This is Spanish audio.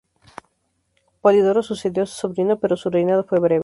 Polidoro sucedió a su sobrino, pero su reinado fue breve.